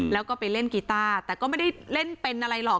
แล้วก็ไปเล่นกีต้าแต่ก็ไม่ได้เล่นเป็นอะไรหรอก